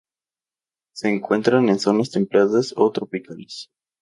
Se encuentran en zonas templadas o tropicales.